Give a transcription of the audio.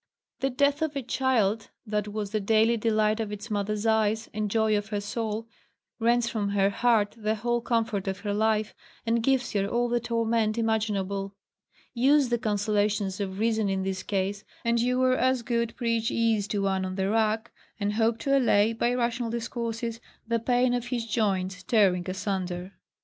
The death of a child that was the daily delight of its mother's eyes, and joy of her soul, rends from her heart the whole comfort of her life, and gives her all the torment imaginable: use the consolations of reason in this case, and you were as good preach ease to one on the rack, and hope to allay, by rational discourses, the pain of his joints tearing asunder.